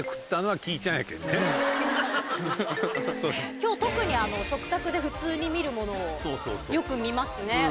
今日特に食卓で普通に見るものをよく見ますね。